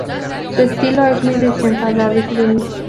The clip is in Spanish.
Su estilo es muy desenfadado y juvenil.